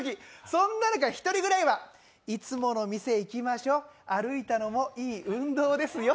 そんな中、１人ぐらいは、いつもの店行きましょう、歩いたのもいい運動ですよ。